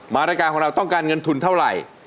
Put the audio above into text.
รายการของเราต้องการเงินทุนเท่าไหร่